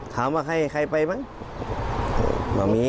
ถามว่าให้ใครไปไหม